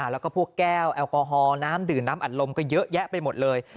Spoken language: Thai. แล้วก็พวกแก้วแอลกอฮอลน้ำดื่มน้ำอัดลมก็เยอะแยะไปหมดเลย